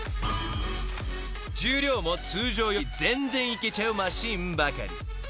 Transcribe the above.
［重量も通常より全然いけちゃうマシンばかり］